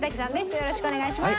よろしくお願いします。